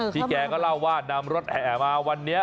ที่แกก็เล่าว่านำรถแห่มาวันนี้